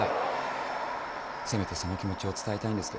せめてその気持ちを伝えたいんですけど。